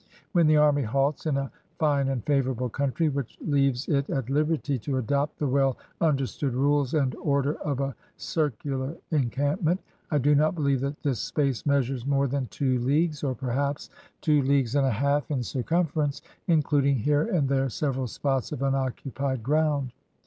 \Mien the army halts in a fine and favorable countn. . which leaves it at Hberty to adopt the well understood rules and order of a circular encampment, I do not believe that this space measures more than two leagues, or perhaps two leagues and a half in circumference, including here and there several spots of unoccupied ground.